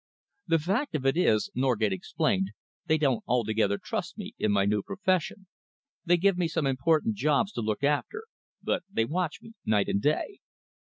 "The fact of it is," Norgate explained, "they don't altogether trust me in my new profession. They give me some important jobs to look after, but they watch me night and day.